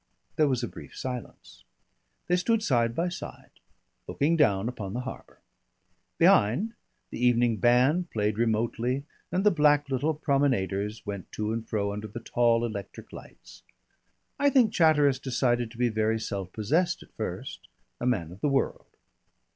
There was a brief silence. They stood side by side looking down upon the harbour. Behind, the evening band played remotely and the black little promenaders went to and fro under the tall electric lights. I think Chatteris decided to be very self possessed at first a man of the world.